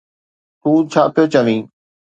تون ڇا پيو چوين؟